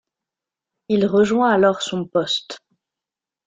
Il rejoint alors son poste.